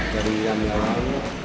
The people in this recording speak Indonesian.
dari ambil yang lain